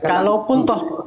kalau pun toh